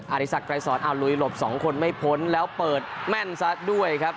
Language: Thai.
อริสักไกรสอนอาลุยหลบสองคนไม่พ้นแล้วเปิดแม่นซะด้วยครับ